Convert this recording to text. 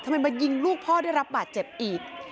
มายิงลูกพ่อได้รับบาดเจ็บอีก